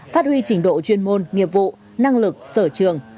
phát huy trình độ chuyên môn nghiệp vụ năng lực sở trường